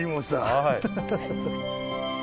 はい。